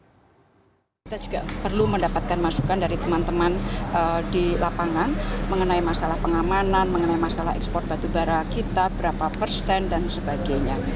kita juga perlu mendapatkan masukan dari teman teman di lapangan mengenai masalah pengamanan mengenai masalah ekspor batubara kita berapa persen dan sebagainya